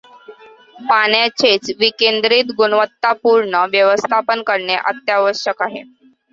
पाण्याचेच विकेंद्रित गुणवत्तापूर्ण व्यवस्थापन करणे अत्यावश्यक आहे.